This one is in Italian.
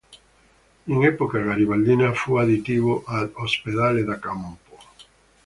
In epoca garibaldina fu adibito ad ospedale da campo.